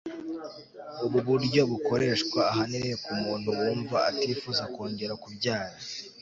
ubu buryo bukoreshwa ahanini ku muntu wumva atifuza kongera kubyara